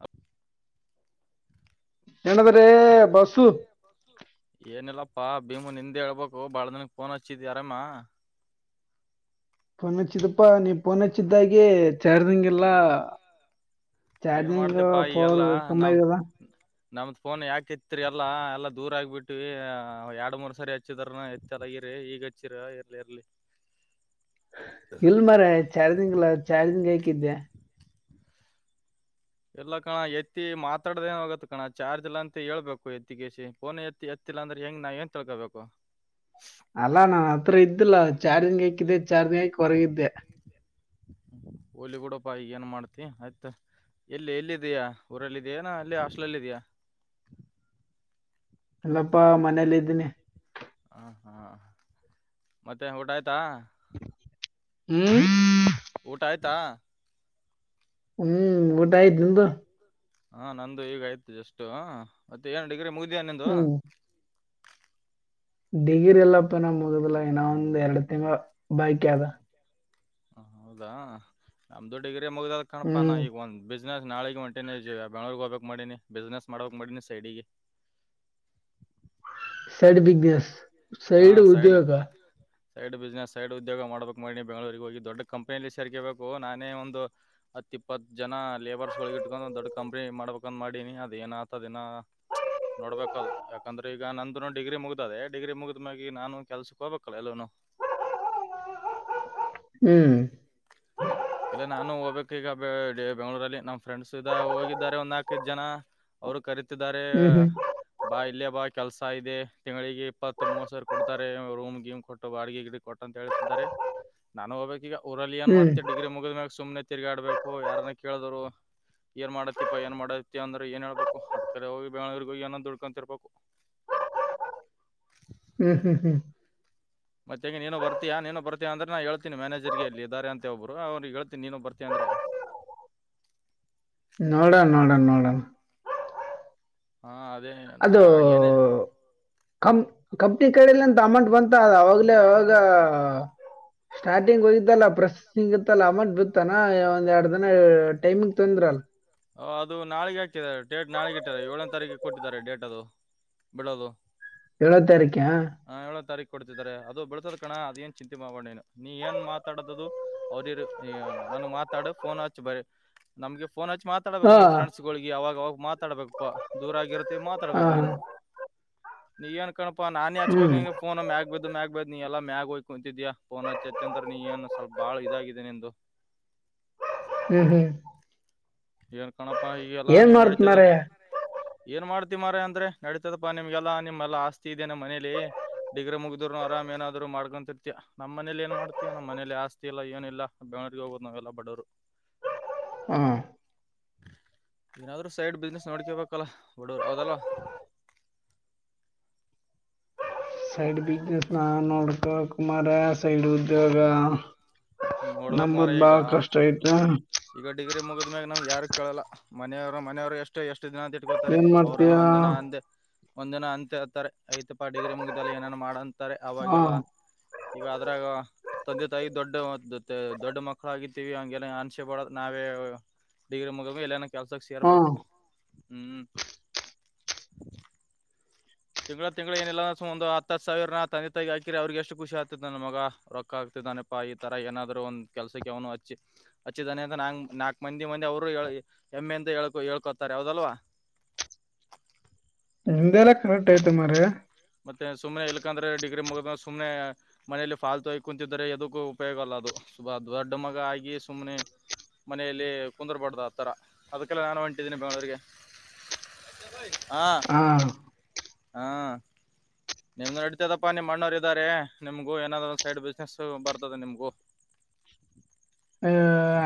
hub ಏನದ್ರೆ Basappa Bhimu ನಿಂದೆ ಹೇಳ್ಬೇಕು ಬಾಳ ದಿನಕ್ ಫೋನ್ ಹಚ್ಚಿದಿ ಅಾರಮ್ಮ ಫನ್ ಹಚ್ಚಿದಪ್ಪಾ ನೀಪೋನ್ ಹಚ್ಚಿದ್ದಾಗೆ ಚಾರ್ಜಿಂಗ್ ಎಲ್ಲ ಏನ್ ಚಾರ್ಜಿಂಗ್ ಮಾಡ್ದೆಪ್ಪಾ ಪವರ್ ಈಗೆಲ್ಲಾ ಕಮ್ಮಿ ನಮ್ ಆಗದಾ ನಮ್ದ್ ಫೋನ್ ಯಾಕೆ ಇತ್ರಿ ಎಲ್ಲಾ ಎಲ್ಲ ದೂರ ಆಗಿಬ ಬಿಟ್ಟವಿ ಎರಡು ಮೂರ್ ಸರಿ ಹಚ್ಚಿದ್ರ ಎತ್ತದಾಗಿರಿ ಈಗ ಹಚ್ಚಿರ ಇರ್ಲಿ ಇರ್ಲಿ ಇಲ್ ಮರ ಚಾರ್ ದಿನ್ ಚಾರ್ ದಿನ್ಗೆ ಹೇಕಿದ್ದೆ ಎಲ್ಲ ಕಣ ಎತ್ತಿ ಮಾತಾಡ್ದ ಏನ್ ಹೋಗತ್ತ ಕಣ ಚಾರ್ಜ್ ಎಲ್ಲಾ ಅಂತ ಹೇಳ್ಬೇಕು ಎತ್ತಿಿಗೆಸಿ ಪೋನ್ ಎತ್ತಿ ಎತ್ತಿ ಇಲ್ಲ ಅಂದ್ರೆ ಹೆಂಗ್ ನಾವ ಏನ್ ತಿಳ್ಕೋಬೇಕು ಅಲ್ಲಾ ನನ್ ಹತ್ರ ಇದ್ದಿಲ್ಲ ಚಾರ್ಜಿಂಗ್ ಹಾಕಿದ್ದೆ ಚಾರ್ಜಿಂಗ್ ಹಾಕ್ ಹೊರಗಿದ್ದೆ ಹೋಲಿ ಕೊೂಡಪ್ಪಾ ಈ ಏನ್ ಮಾಡ್ತಿ ಆಯ್ತ ಎಲ್ಲಿ ಎಲ್ಲ ಇದಯಾ ಊರಲ್ಲ ಇದಯಾನ ಅಲ್ಲಿ ಹಾಸ್ಲಲ್ಲ ಇದಯ ಅಲ್ಲಪ್ಪಾ ಮನೇಲ್ಲ ಇದ್ದೀನಿ ಹಾ ಹಾ ಮತ್ತೆ ಊಟ ಆಯ್ತಾ ಹ್ಮ ಊಟ ಆಯ್ತಾ ಹ್ಮ್ ಊಟ ಆಯ್ದಂತ ಹಾ ನಂದು ಈಗ ಆಯ್ತು ಜಸ್ ಮತ್ತೆ ಏನ್ ಡಿಗ್ರಿ ಮುಗಿದಿಯಾ ನಿಂದು ಡಿಗಿರಿ ಎಲ್ಲಪ್ಪನ ಮುದಲ ಇನ ಒಂದ್ ಎರಡ್ ತಿಂಗ ಬಾಯಕಿ ಅದ ಹೌದಾ ನಮ್ದು ಡಿಗ್ರಿ ಮುಗ್ದಲ್ ಕಣಪ ನಾ ಹ್ಮ್ ಈಗ ಒಂದ ಬಿಸ್ನೆಸ್ ನಾಳೆ ಮಂಟಿನಿ ಬೆಳೋರ್ಗ್ ಹೋಗ್ಬೇಕಕ್ ಮಾಡೀನಿ ಬಿಸ್ನೆಸ್ ಮಾಡಬೇಕಕ್ ಮಾಡೀನಿ ಸೈಡಿಗೆ [unintelligible] ಸೈಡ್ ಬಿಸ್ನೆಸ್ ಸೈಡ್ ಉದ್ಯೋಗ ಸೈಡ್ ಬಿಸ್ನೆಸ್ ಸೈಡ್ ಉದ್ಯೋಗ ಮಾಡ್ಬೇಕು ಮಾಡಣಿ ಬೆಂಗಳೂರಿಗೆ ಹೋಗಿ ದೊಡ್ಡ ಕಂಪ್ನಿಯಲ್ಲಿ ಸೇರ್ಕಬೇಕು ನಾನೇ ಒಂದು ಹತ್ತು ಇ ಇಪ್ಪತ್ತು ಜನ ಲೇಬರ್ಸ್ಗಳಗ ಇಟ್ಕೊಂಡು ಒದೊಡ್ ಕಂಪ್ನಿ ಮಾಡ್ಬೇಕಂದ್ ಮಾಡೀನಿ ಅದ ಏನ ಆತದಿನ ನೋಡ್ಬೇಕದು ಯಾಕಂದ್ರೆ ಈಗ ನಂದು ನ ಡಿಗ್ರಿ ಮುಗ ದೆ ಡಿಗ್ರಿ ಮುಗಿದ್ ಮಿ ನಾನು ಕೆಲ್ಸಕ್ಕೆ ಹೋಗ್ಬೇಕಲ್ಲ ಎಲ್ಲ ಹ್ಮ್ ಅಕಲ ನಾನು ಹೋಗ್ಬೇಕು ಈಗ ಬೆಂಗ್ಗಳೂರಲ್ಲಿ ನಮ್ ಫ್ರೆಂಡ್ಸ್ ಇದ ಹೋಗಿದ್ದಾರೆ ಒಂದಕೈ ಜನ ಅವರು ಕರೀತಿದ್ದಾರೆ ಹ್ಮ್ ಹ್ಮ್ ಬಾ ಇಲ್ಲಿಯ ಬಾ ಕೆಲ್ಸ ಇದೆ ತಿಂಗಳಿಗೆ ಇಪ್ಪತ್ತು ಮೂವ ಸಾವಿರ ಕೊಡ್ತಾರೆ ರೂಮ್ ಗಮ್ ಕೊಟ್ಟು ಬಾಡಿಗೆ ಗಡ ಕೊಟ್ಟು ಅಂತ ಹೇಳ್ತಿದ್ದಾರೆ ನಾನು ಹೋಗಬಬೇಕಕ್ ಈಗಊರಿ ಏನ್ ಹ್ಮ್ ಮಾಡ್ತ ಗ ಮ್ಯಾಗ ಸುಮನೆ ತಿರ್ಗಾಡ್ಬೇಕು ಯಾರನ್ನ ಕೇಳಿದ್ರು ಏನ್ ಮಾಡತ್ತತಿಪಪ್ಪ ಏನ್ ಮಾಡತಿ ಅಂದ್ರೆ ಏನ್ ಹೇಬೇಕು ಅದ್ ಕಡೆ ಹೋಗಿ ಬೆಂಗಗಳೂರಿಗೆಗೋಗಿ ಏನನ್ ದುಡ್ಕೊಂತಿರ್ಬೇಕು [unintelligible] ಹ್ಮ್ ಹ್ಮ್ ಹ್ಮ್ ಮತ್ತೆೇಗ ನೀನು ಬರ್ತಯ ನೀನು ಬತಯ ಅಂದ್ರೆ ನಾ ಹೇಳ್ತಿನನ ಮ್ಯಾನೇಜರ್ಗೆಲ್ಲಿ ಇದಿದ್ದಾರೆರೆ ಅಂತ ಒಬ್ಬರು ಅವ್ರಿಗೆ ಹೇಳ್ನಿ ನೀನು ಬರ್ತೀ ಅ್ರ [unintelligible] ನೋಡ ನೋಡ ನೋಡಣ ಹಾ ಅದೇ ಹಾಗೇನೇ ಕಂ ಕಂಪ್ನಿ ಕಡಲ್ಲಂತ ಅಮೌಂಟ್ ಬಂತ ಅ ಅವಾಗ್ಲೇ ಅವಾಗ ಸ್ಟಾರ್ಟಿಂಗ್ ಹೋಗತ್ತಲ್ಲ ಪ್ರಸ ಸಿಂಗ ಇತ್ತಲ್ಲ ಅಮಟ್ ಬಿ ತಾನ ಒಂದ್ ಎರಡು ದಿನ ಟೈಮಿಂಗ್ ತೊಂದ್ರ ಅಲ್ ಹ ಅದು ನಾಳೆಗೆ ಹಾಕಿದ್ದಾರೆ ಡೇಟ್ ನಾಳೆಗೆ ಇಟ್ಟಾರೆ ಏಳನೇ ತಾರೀಕಿಗೆ ಕೊಟ್ಟಿದ್ದಾರೆ ಡೇಟ್ ಅದು ಬೆಳೋದು ಏಳೋ ತಾರೀಕೆ ಹಾ ಹ ಏಳ ತಾರೀಕು ಕೊಡ್ತಿದ್ದಾರೆ ಅದು ಬೆಳಸೋದ್ ಕಣ ಅದನ್ ಚಿಂತೆ ಮಾಡೋಣೇನು ನೀ ಏನ್ ಮಾತಾಡದದು ಅವ್ರರ್ ನಾನು ಮಾತಾಡ ಫೋನ್ ಹಚ್ಚಿ ಬರ ನಮ್ಗೆ ನ್ ಹಚ್ ಮಾತಡ್ಬೇಕುವು ಫ್ರೆಂಡ್ಸ್ಗೆ ಅವಾಗ ಮಾತಾಡ್ಬೇಕಪ್ಪಾ ದೂರ ಆಗಿರುತ್ತೆ ಹಾ ಮಾತಾಡ್ಬೇಕ ನೀನು ನೀನ್ ಕಪಾ ನಾನನ್ ಹ್ಮ್ ಹಚ್ಬೇಕಾಗಂ ನ್ ಮ್ಯಾಗ ಬದು ಮ್ಯಾಗ ಬು ನೀ ಎಲ್ಲಾ ಮ್ಯಾಗ ಹೋಗ್ ಕುಂತಿದ್ಯಾ ಪೋನ್ ಹಚ್ಚಿ ಹಚ್ಚ ಅಂದ್ರ ನೀ ಏನು ಸ್ವಲ್ಪ ಬಾಳ ಇದಿದ್ದ ನಿಂದು [unintelligible] ಹ್ಮ್ ಹ್ಮ್ ಏನ್ ಕಣಪಾ ಈಗೆಲ್ಲಾ ಏನ್ ನೀವು ಮಾಡ್ತ ನಡತದ ಮಾರ ಏನ್ ಮಾಡ್ತ ಮರ ಅಂದ್ರೆ ನಡಿತದಪ್ಪಾ ನಿಮ್ಗೆಲ್ಲಾ ನಿಮ್ಮ್ಆಸ್ತಿ ಇದೆ ನಮ್ಮ ಮನೇಲಿ ಡಿಗ್ರೆ ಮುಗ್ದ್ರು ಅರಾಮ್ ನಾದ್ರು ಮಾಡ್ಕೊಂತಿರ್ತಾ ನಮ್ಮ ಮನೇಲಿ ಏನ್ ಮಾಡ್ತಿಯಾ ನಮ್ಮ ಮನೇಲಿ ಆಸ್ತಿ ಇಲ್ಲ ಏನಿಲ್ಲ ಬೆಂಗಳರಿಗೆ ಹೋಗಬೋದು ನಾವ್ಲಬಡವರು [unintelligible] ಹ್ಮ್ ಏನಾದ್ರರು ಸೈಡ್ ಬಿಸ್ನೆಸ್ ನೋಡ್ಕೊಳ್ಬೇಕಲ್ಲ ಒಡೂರ್ ಹೌದಲ್ಲ [unintelligible] ಸೈಡ್ ಬಿಸ್ನೆಸ್ ನ ನೋಡ್ಕ ಕುಮಾರ ಸೈಡ್ ಉದ್ಯೋಗ ನೋಡ್ಬಕ್ ಮಾರ ನಂಬುದ್ ಈಗ ಬಾಳ ಕಷ್ಟ ಐತ ಈಗ ಡಿಗ್ರಿ ಮುಗದ್ಮಗ ನಾವ್ ಯಾರ್ ಇಕಲ್ಲ ಮನೆಯವರು ಮನೆಯವ್ರು ಎಷ್ಟು ಎಷ್ಟು ದಿನ ಅಂತ ಇಟ್ಕೋತಾರೆ ಏನ್ ಮಾಡ್ತೀಯ ಅವ್ರನ್ನು ಒಂದ್ನ ಅಂದೆ ಒಂದ್ನ ಅಂತ ಹತಾರೆ ಐತಪ್ಪ ಡಿಗ್ರಿ ಮುಗಿದಲ್ಲಿ ಏನೇನ ಮಾಡಂತಾರೆ ಹಾ ಅವಾಗೆಲ್ಲ ಈಗ ಅದ್ರಾಗ ತಂದೆ ತಾಯಿ ದೊಡ್ಡ ದೊಡ್ಡ ಮಕ್ಕಳುಾಗಿತಿವಿ ಹಂಗೆ ಅನಿಸೆಬಡೋದು ನಾವೇ ಡಿಗ್ರಿ ಮುಗ ಎಲ್ಲನ ಕೆಲ್ಸಕ್ಕೆ ಸೇರ್ಬೇಕು ಹಾ ಹ್ಮ್ ತಿಂಗಳತಿಂಗಳ ಏನಿಲ್ಲ ಒ ಹತ್ತು ಸಾವಿರ ನ ತಂದ ತಗ ಹಾಕಿರಿ ಅವ್ರಿಗೆ ಎಷ್ಟು ಖುಷಿ ಆತ ನ ಮಗ ರೊಕ್ಕ ಆಗ್ತತಿ ನಪ್ಪಾ ಈ ತರ ಏನಾದ್ರು ಒಂದ್ ಕೆಲ್ಸಕ್ಕೆ ಅವನು ಹಚ್ಚಿ ಹಚ್ಚಿದಾನೆ ಅಂತ ನಾ ನಾಕಕ್ ಮಂದಿ ಮಂದಿ ಅವ್ರು ಎಮ್ಮೆಂತ ಹಕೊ ಹೇಳ್ಕೋತಾರೆ ಯಾವದಲ್ವಾ ಹ ಎಲ್ಲ ಕರೆಕ್ಟ್ ಆಯತ ಮಾರೆ ಮತ್ತೆ ಸುಮನೆ ಇಲ್ಕಂದ್ರೆ ಡಿಗ್ರಿ ಮುಗ ಸುಮ್ನೆ ಮನೇೆಯಲ್ಲಿ ಫಾಲ್ ತೋ ಇ ಕುಂತಿದರೆ ಎದಕ್ಕೂ ಉಪಯೋಗ ಅಲ್ಲ ಅದು ಸಬಹ ದದು ಅಡಮಾಗ ಆಗ ಸುಮನೆ ಮನೆಯಲ್ಲಿ ಕುಂದರುಬಾರ್ದ ಆಥರ ಅದಕ್ಕೆಲ್ಲ ನಾನು ಹೊಂಟಿದ್ದೀನಿ ಬೆಂಗಳೂರಿಗೆ ಹಾ ಹಾ ನಿಮ್ದ್ ನಡತದಪ್ಪ ನಿಮ್ ಅಣ್ಣೋರ್ ಇದ್ದಾರೆ ನಿಮ್ಗು ಏನಾದ್ ಒ ಸೈಡ್ ಬಿಸ್ನೆಸ್ ಬರ್ತದೆ ನಿಮ್ಗು [unintelligible] ಹ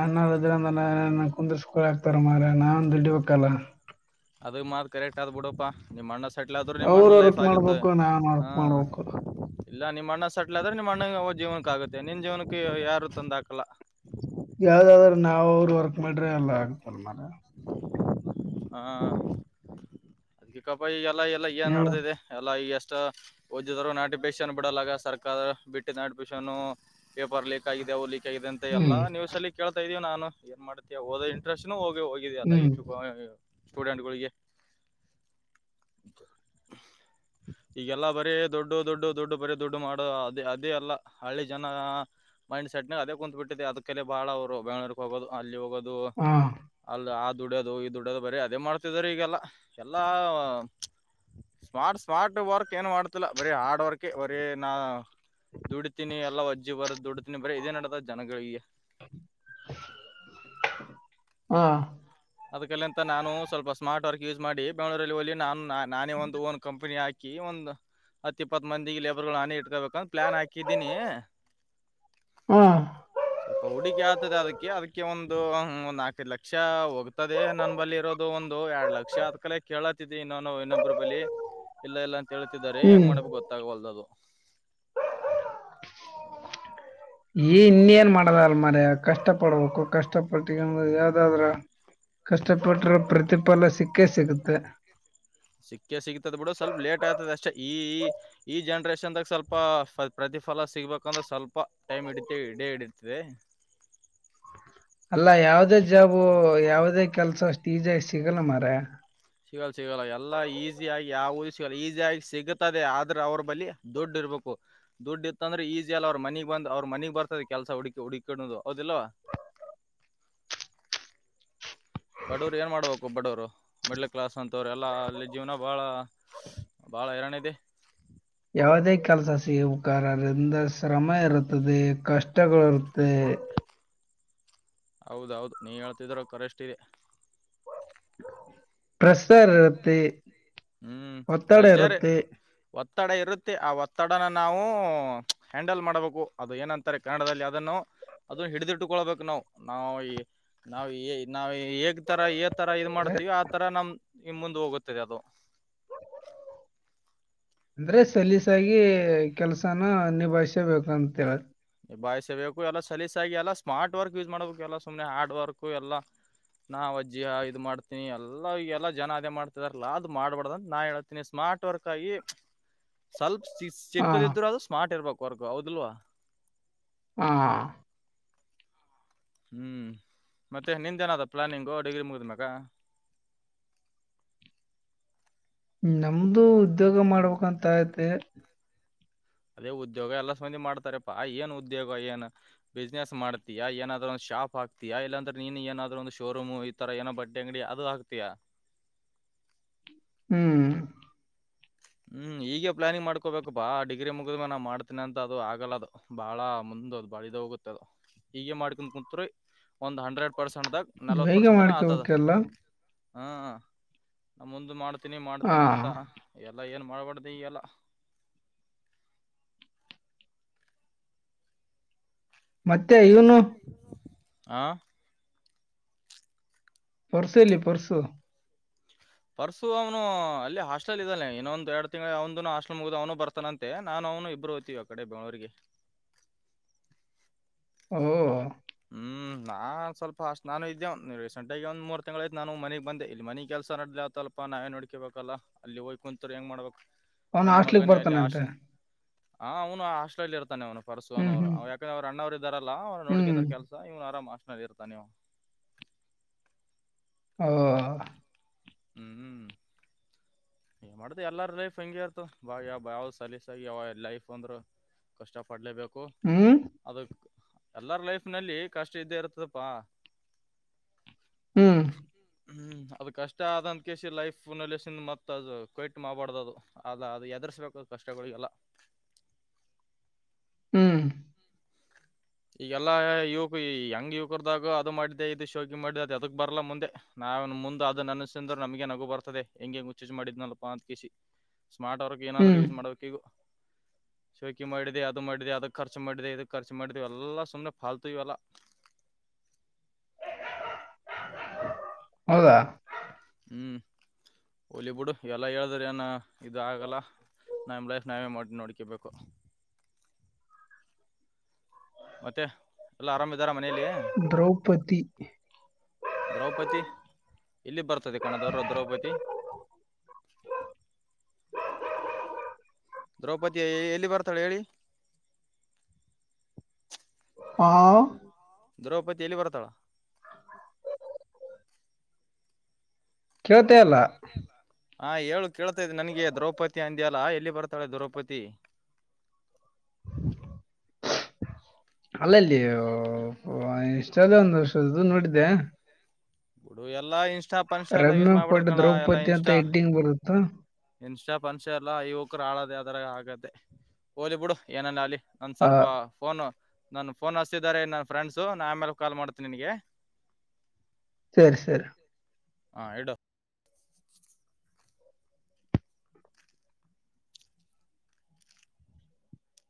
ಅ್ಣದಿನ ಕುಂದ ಸ್ಕೂಲ್ ಹಾಕ್ತಾರ ಮ್ರ ನಾವಂದು ಇಡಿಬೇಕಲ್ಲ ಅದ ಮಾತ್ ಕರೆಕ್ಟ್ ಆದ್ ಬಿಡಪ್ಪಾ ನಿಮ್ಮ್ ಅಣ್ಣ ಸೆಟ್ಲ್ ಆದರು ನಿಮ್ಮ ಅವ್ರು ಅನ್ನಲೈಫ್ ವರ್ಕ್ ಆಗುತ್ತೆ ಮಾಡ್ಬೇಕು ನಾನ್ ಹಾ ವರ್ಕ್ ಮಾಡ್ಬೇಕು ಇಲ್ಲ ನಿಮ್ಮ್ ಅಣ್ಣ ಸೆಟ್ಲ್ ಆದ್ರೆ ನಿಮ್ಮ ಅಣ್ಣ ಹ ಜೀವನಕ್ಕೆ ಆಗುತ್ತೆ ನಿನ್ ಜೀವನಕ್ಕೆ ಯಾರು ತಂದು ಹಾಕಲ್ಲ ಯಾವ್ದಾದ್ರರು ನಾವ್ ಅವ್ರರು ವರ್ಕ್ ಮಾಡ್ರೆ ಎಲ್ಲ ಆಗ್ತಲ್ ಮರ ಹಾ ಅದ್ಕ್ಕಪ್ಪ ಈ ಎಲ್ಲಾ ಎಲ್ಲ ಏನ್ ಹೇಳು ನಡ್ದಿದೆ ಎಲ್ಲ ಈ ಎಷ್ಟ ಓದಿದ್ರು ನೋಟಿಫಿಕೇಶನ್ ಬಿಡಲ್ಲಾಗ ಸರ್ಕಾರ ಬಿಟ್ಟಿದ್ದ ನೋಟಿಫಿಕೇಶನ್ ಪೇಪರ್ ಲೀಕ್ ಆಗಿದೆ ಅವು ಲೀಕ್ ಅ ಎಲ್ಲಾ ಹ್ಮ್ ನ್ಸ್ ಅಲ್ಲಿ ಕೇತಾ ಇದ್ದೀ ನಾನ ಏ ಮಾಡತೇ ಹೋದ ಇಂಟೆಸ್ಟ್ನು ಹೋಗ ಹೋಗಿದ ಅಲ್ಲ ಈ ಹ್ಮ್ ಚು ಸ್ಟೂಡೆಂಟ್ಗಳಿಗೆ [unintelligible] ಈಗೆಲ್ಲಾ ಬರೀ ದೊಡ್ಡು ದೊಡ್ಡು ದೊಡ್ಡು ಬರೀ ದೊಡ್ಡು ಮಾಡೋ ಅದೇ ಅದೇ ಅಲ್ಲ ಹಳ್ಳಿ ಜನ ಹಾ ಮೈಂಡ್ ಸೆಟ್ ನ ಅದ ಕುಂತ್ಬಿಟ್ಟಿದೆ ಅದಕ್ಕೆಲ್ಲೇ ಬಾಳ ಅವರು ಬೆಂಗಳೂರಿಗೆ ಹೋಗೋದು ಅಲ್ಲಿ ಹೋಗೋದು ಅದು ಹಾ ಅಲ್ಲಿ ಆ ದುಡೋದು ಈ ದುಡೋದು ಬರೀ ಅದೇ ಮಾಡ್ತಿದಿದ್ದಾರೆ ಈಗೆಲ್ಲ ಎಲ್ಲಾ ಸ್ಮಾರ್ಟ್ ಸ್ಮಾರ್ಟ್ ವರ್ಕ್ ಏನು ಮಾಡ್ತಿಲ್ಲ ಬರೀ ಹಾರ್ಡ್ ವರ್ಕ್ ಬರೀ ನಾ ದುಡತೀನಿ ಎಲ್ಲ ಅಜ್ಜಿ ಬರ ದುಡತಿನಿ ಬರರಿ ಇದೇನಡತದ ಜಗಳಿಗೆ ಹಾ ಅದಕಲಿಂತ ನಾನು ಸ್ವಲ್ಪ ಸ್ಮಾರ್ಟ್ ವರ್ಕ್ ಯೂಸ್ ಮಾಡಿ ಬೆಂಗಳೂರಲ್ಲಿ ಹಿ ನಾನು ನಾನೇ ಒಂದು ಓನ್ ಕಂಪನಿ ಹಾಕಿ ಹಾ ಒಂದ್ ಹತ್ತ ಇಪ್ಪತ್ ಮಂದಿಗೆ ಲೇಬರ್ ಗಳು ಹಾನಿ ಇಟ್ಕಬೇಕು ದು ಪ್ಲಾನ್ ಹಾಕಿದ್ದೀನಿ ಹಾ ಸ್ವಲ್ಪ ಹುಡಿಕಿ ಆಗ್ತದೆ ಅದಕ್ಕೆ ಅದಕ್ಕೆ ಒಂದು ಒಂದ್ ನಾಲ್ಕದು ಲಕ್ಷ ಹೋಗ್ ದೆ ನನ್ನ ಬಲ್ಲಿ ಇರೋದು ಒಂದು ಎರಡ್ ಲಕ್ಷ ಆದ್ ಕಲೆ ಕೇಳತ್ತಿದಿ ನಾನು ಇನ್ನೊಬ್ರು ಬಲಿ ಇಲ್ಲ ಎಲ್ಲ ಅಂತ ಹೇಳ್ತಿದಿದ್ದಾರೆ ಹೆಂಗ್ ಹ್ಮ್ ಮಾಡ್ಬೇಕು ಗೊತ್ತಾಗವಲ್ದದು ಈ ಇನ್ನೇಏನ್ ಮಾಡದ ಅಲ್ ಮರ ಕಷ್ಟ ಪಡ್ಬೇಕು ಕಷ್ಟ ಪಟ್ಟ ಯಾವ್ದಾದ್ರ ಕಷ್ಟಪಟ್ಟ್ರ ಪ್ರತಿಫಲ ಸಿಕ್ಕೇ ಸಿಗುತ್ತೆ ಸಿಕ್ಕ ಸಿಗ್ತದ ಬಿಡ ಸ್ವಲ್ಪ ಲೇಟ್ ಆಗ್ತದ ಅಷ್ಟೇ ಈ ಈ ಈ ಜನ್ರೇಷನ್ದಾಗ ಸ್ವಲ್ಪ ಪ್ರತಿ ಫಲ ಸಿಗ್ಬೇಕಂದ್ರೆ ಸ್ವಲ್ಪ ಟೈಮ್ ಹಿಡತಿ ಇಡೇ ಹಿಡತದೆ ಅಲ್ಲಾ ಯಾವ್ದೇ ಜಾಬು ಯಾವದೇ ಕೆಲ್ಸ ಅಷ್ಟು ಈಜಾಗ ಸಿಗಲ್ಲ ಮರ ಸಿಗಲ್ಲ ಸಿಗಲ್ಲ ಎಲ್ಲಾ ಈಸಿ ಯಾಗಿ ಯಾವದ ಸಿಗಲ್ಲ ಈಸಿಯಾಗಿ ಸಿಗ್ತದೆ ಆದ್ರೆ ಅವ್ರ ಬಳಿ ದುಡ್ ಇರ್ಬೇಕು ದುಡ್ ಇತ್ತ ಅಂದ್ರೆ ಈಜಿ ಅಲ್ಲಿ ಅವ್ರ ಮನಗ್ ಬಂದ್ ಅವ್ರ ಮನಗ್ ಬರ್ತದೆ ಕೆಲಸ ಹು ಹುಡಕಡುದು ಹೌದಿಲ್ವಾ [inaudible] ಬಡವರು ಏನು ಮಾಡಬೇಕು ಬಡವರು ಮಿಡ್ಲ್ ಕ್ಲಾಸ್ ಅಂತವ್ರು ಎಲ್ಲ ಅಲ್ಲಿ ಜೀವನ ಭಾಳ ಬಾಳ ಹೈರಾಣ ಇದೆ ಯಾವುದೇ ಕೆಲಸ ಸಿಗುವ ಕಾರ್ರಂದ ಶ್ರಮ ಇರುತ್ತದೆ ಕಷ್ಟಗಳು ಇರುತ್ತದೆ [inaudible] ಹೌದೌದು ನೀ ಹೇಳ್ತಿದ್ರ ಕರೆಷ್ಟಿದೆ ಪ್ರೆಸರ್ ರತ್ತು ಹ್ಮ್ ಒತ್ತಡ ಪ್ರೆಷರ್ ರತ್ತು ಒತ್ತಡ ಇರುತ್ತೆ ಆ ಒತ್ತಡನ ನಾವು ಹ್ಯಾಂಡಲ್ ಮಾಡ್ಬೇಕು ಅದು ಏನಂತಾರೆ ಕನ್ನಡದಲ್ಲಿ ಅದನ್ನು ಅದನ್ ಹಿಡ್ದಿಟ್ಟಕೊಳ್ಬೇಕು ನಾವು ನಾವವು ನಾವ್ ನಾವವು ಹೇಗ್ ತರ ತರ ಇ ಅಂದ್ರೆ ಮಾಡ್ತೀವಿ ಆ ತರ ನಮ್ ನಿಮ ಮುಂದೆ ಹೋಗುತ್ತದೆ ಅದು ಅಂದ್ರೆ ಸಲೀಸಾಗಿ ಕೆಲ್ಸನ ನಿಭಾಯ್ಸಬೇಕಂತ ಹೇಳ್ರ ಬಾಯಿಸಬೇಕು ಎಲ್ಲ ಸಲೀಸಾಗಿ ಎಲ್ಲ ಸ್ಮಾರ್ಟ್ ವರ್ಕ್ ಯೂಸ್ ಮಾಡ್ಬೇಕು ಎಲ್ಲ ಸುಮ್ನೆ ಹಾರ್ಡ್ ವರ್ಕ್ ಎಲ್ಲಾ ನಾವ ಅಜ್ಜಿಯ ಇದ್ ಮಾಡ್ತೀನಿ ಎಲ್ಲ ಎಲ್ಲ ಜನ ಅದೇ ಮಾಡ್ತಿದಾರಲ್ಲ ಅದ್ ಮಾಡ್ಬಾರಡ್ದನ್ ನಾ ಹೇಳ್ತೀನಿ ಸ್ಮಾರ್ಟ ಸ್ಮಾರ್ಟ್ ವರ್ಕ್ ಆಗಿ ಸ್ವಲ್ಪ ಹಾ ಚಕ್ಕದಿದ್ರೂ ಅದು ಸ್ಮಾರ್ಟ್ ಇರ್ಬೇಕು ವರ್ಕ್ ಹೌದಲ್ವಾ ಹಾ ಹ್ಮ್ ಮತ್ತೆ ನಿಂದೇಏನಾದ ಪ್ಲಾನಿಂಗು ಡಿಗ್ರಿ ಮುಗ್ದ ಮಕ ಹ [unintelligible] ನಮ್ದು ಉದ್ಯೋಗ ಮಾಡ್ಬೇಕಂತಯತೆ ಅದೇ ಉದ್ಯೋಗ ಎಲ್ಲ ಸ್ಬಂದಿ ಮಾಡ್ತಾರಪ್ಪಾ ಏನ್ ಉದ್ಯೋಗ ಏನ್ ಬಿಸ್ನೆಸ್ ಮಾಡ್ತಯ ಏನಾದ್ರರು ಒಂದ ಶಾಪ್ ಹಾಕ್ತೀಯ ಇಲ್ಲಾಂದ್ರೆ ನೀನು ಏನಾದ್ರು ಒಂದು ಶೋರೂಮ್ ಈ ತರ ಏನೋ ಬಡ್ಡಿ ಅಂಗಡಿ ಅದು ಹಾಕ್ತಿಯಾ ಹ [unintelligible] ಹ್ಮ್ ಹ [unintelligible] ಹ್ಮ್ ಈಗೆ ಪ್ಲಾನಿಂಗ್ ಮಾಡ್ಕಬೇಕಪ್ಪಾ ಆ ಡಿಗ್ರಿ ಮುಗಿದ್ಮೆ ನಾವು ಮಾಡ್ತೀನ ಅಂತ ಅದು ಆಗಲ್ಲ ಅದು ಬಾಳ ಮುಂದ ಬಳಿದ ಹೋಗುತ್ತ ಹಗೆ ಮಾಡ್ಕೊಂಡ್ ಕುಂತ್ ಒಂದ್ ಹಂಡ್ರೆಡ್ ಪರ್ಸೆಂಟ್ಗ ನಲವ ಬೇಗ ಪರ್ಸೆಂಟ್ ಆತದ ಮಾಡ್ಕೋಬೇಕಲ್ಲ ಹ ನ ಮು ಮಾಡ ಚತ್ನಿ ಹಾ ಮಾಡ್ತೇನೆ ಅಂತ ಎಲ್ಲಾ ಏನ್ ಮಾಡ್ಬಾರ್ದು ಎಲ್ಲ ಮತ್ತೆ ಇವನು ಆ ಪರ್ಸ ಇಲ್ಲಿ ಪರ್ಸು ಪರ್ಸು ಅವನು ಅಲ್ಲಿ ಹಾಸ್ಟೆಲ್ ಇದಾನೆ ಇನ್ನೊಂದಂದು ಎರಡ್ ತಿಂಗ್ ಅವ ಹಾಸ್ಟೆಲ್ ಮುಗ್ದ ಅವನು ಬರ್ತಾನಂತೆ ನಾನು ಅವನು ಇಬ್ಬರು ಹೋಗ್ತೀವಿ ಆ ಕಡೆ ಬೆಂಳೂರಿಗೆ ಹ್ಮ್ ಹ್ಮ್ ನಾ ಸ್ವಲ್ಪ ಅಷ್ಟ್ ನಾನು ಇದ್ದೆ ರೀಸೆಂಟಗಿ ಒಂದ ಮೂರು ತಿಂಗಳ ಯತ ನಾನು ಮನೆಗ್ ಬಂದೆ ಇಲ್ಲಿ ಮನಗ್ ಕೆಲಸ ನಡ್ದ ಸ್ಲ್ಪ ನಾವೇ ನೋಡ್ಕೇಬೇಕಲ್ಲ ಅಲ್ಲಿ ಹೋಗ್ ಕುಂಂತರು ಹೆಂಗ ಮಾಡ್ಬೇಕು ಅವನು ಮನಿ ಹಾಸ್ಲಿಕ್ ಮಗನೇ ಅಲ್ಲಿ ಬರ್ತಾನೆಂತೆ ಹಾಸ್ಟೆಲ್ ಹ ಅವನು ಹ ಆಸ್ಟೆಲ್ ಇರ್ತಾನೆ ಅವ್ನು ಪರಸುನ ಹ್ಮ್ ಅವರು ಹ್ಮ್ ಅವ ಯಾಕಂದ್ರ ಅವ್ ಅಣ್ಣ್ರು ಇದಾರಲ್ಲ ಅವ್ ಹ್ಮ್ ನೋಡಕತಾರ ಆರಾಮ ಆಷ್ಟನಲ್ಲಿರ್ ತಾನೇ ಹ ಹ್ಮ್ ಹ್ಮ್ ಏ ಮಾಡತ ಎಲ್ಲಾರ ಲೈಫ್ ಹೆಂಗಗೆ ಇರ್ತ ಬಾ ಯಾವ ಯಾವ್ ಸಲೀಸಾಗಿ ಯಾವ ಲೈಫ್ ಅಂದ್ರು ಕಷ್ಟ ಪಡ್ಲೇಬೇಕು ಹ್ಮ್ ಅದಕ್ ಎಲ್ಲಾರ ಲೈಫ್ ನಲ್ಲಿ ಕಷ್ಟ ಇದ್ದೇ ಇರ್ತದಪ್ಪಾ ಹ್ಮ್ ಹ್ಮ್ ಅದು ಕಷ್ಟ ಆದಂತ ಕಸಿ ಲೈಫ್ ಫನಲ್ಲಿ ಮತ್ತೆ ಕಯಟ್ ಮಾಡಬಾಡ್ದದು ಅಲ್ಲ ಅದು ಎದರ್ಸ್ಕ ಕಷ್ಟಗಳಿಗೆಲ್ಲ ಹ್ಮ್ ಈಗಲ್ಲಾ ಯುವಕ ಹೆಂಗ್ ಯುವಕರ್ದಾಗ ಅದು ಮಾಡಿದ್ದೆ ಇದು ಶೋಕಿ ಮಾಡಿದ್ದೆ ಅದ ಅದಕ್ ಬರ್ಲ್ಲಾ ಮುಂದೆ ನ ನಾವನ್ ಮುಂದೆ ಅದನ್ನ ಅನಸಿದ್ರ ನಮಗೆ ನಗು ಬರ್ತದೆ ಹೆಂಗೆಂಗ ಮುಚ್ಚುಚ್ ಮಾಡಿದ್ನಲ್ಪಾ ಅಂತ ಕಿಸಿ ಸ್ಮಾರ್ಟ್ ಅವರಕ್ ಏನಾದ್ರು ಹ್ಮ್ ಯೂಸ್ ಮಾಡ್ಬೇಕೆಗ ಶೋಕಿ ಮಾಡಿದೆ ಅದು ಮಾಡಿದೆ ಅದಕ್ ಖರ್ಚು ಮಾಡಿದೆ ಇದಕ್ ಖರ್ಚ ಮಾಡಿದೆ ಎಲ್ಲ ಸುಮ್ನೆ ಫಾಲ್ತು ಇ ಅಲ್ಲ ಹ್ಮ ಹೌದಾ ಹ್ಮ್ ಹಲಿವುುಡ್ ಎಲ್ಲ ಹೇಳದ್ರ ನ ಇದ ಆಗಲ್ಲ ನಾವ್ ಲೈಫ್ ನಾವೇ ಮಾಡ ನೋಡ್ಕಬೇಕು ಮತ್ತೆ ಎಲ್ಲ ಆರಾಮ ಇದಾರ ಮನೇಲಿ ದ್ರೌಪದಿ ದ್ರೌಪದಿ ಎಲ್ಲಿ ಬರ್ತದೆ ಕಣದವರು ದ್ರೌಪದಿ ದ್ರೌಪದಿಯ ಎಲ್ಲಿ ಬರ್ತಾಳೆ ಹೇಳಿ ಹಾ ದ್ರೌಪದಿ ಎಲ್ಲಿ ಬರ್ತಾಳ ಕೇಳ್ತ ಅಲ್ಲ ಹಾ ಹೇಳು ಕೇಳ್ತಾದ ನನ್ಗೆ ದ್ರೌಪದಿ ಅಂದ್ಯಲ್ಲಾ ಎಲ್ಲಿ ಬರ್ತಾಳೆ ದ್ರೌಪದಿ [inaudible] ಅಲ್ಲಲ್ಲಿ ಇಷ್ಟ ಅದೇ ಒಂದು ವರ್ಷದ್ದು ನೋಡಿದ್ದೆ ಬಿಡು ಎಲ್ಲಾ ಇನ್ಸ್ಟಾ ಪನ್ಸ್ ಎಲ್ಲ ಯೂಸ್ ರಮ್ಯ ಮಾಡ್ಬಿಡ ಪಟ್ ಕಳ ಎಲ್ಲಾ ದ್ರೌಪದಿ ಅಂತ ಇನ್ಸ್ಟಾ ಹೆಡ್ಡಿಂಗ್ ಬರುತ್ತ ಇನ್ಷ್ಟ ಪಫನ್ಷ ಎಲ್ಲ ಇವಕರು ಆಳಾದ [unintelligible] ಆಗತ್ತೆ ಹಓಲಿ ಬಿಡು ಏನನ್ ಅಲಿ ಒಂದ್ ಆ ಸ್ವಲ್ಪ ಫೋನು ನಾನ ಫೋನ್ ಹತಿದಿದ್ದಾರೆ ನನ್ನ ಫ್ರೆಂಡ್ಸು ನಾ ಆಮೇಲೆ ಕಾಲ್ ಮಾಡ್ತೇನಿ ನಿನ್ಗೆ ಸರಿ ಸರಿ ಹಾ ಹೇಳಡು